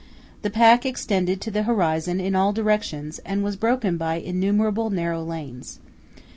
The pack extended to the horizon in all directions and was broken by innumerable narrow lanes.